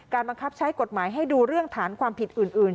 บังคับใช้กฎหมายให้ดูเรื่องฐานความผิดอื่น